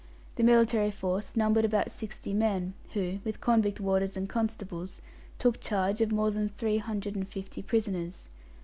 The military force numbered about sixty men, who, with convict warders and constables, took charge of more than three hundred and fifty prisoners.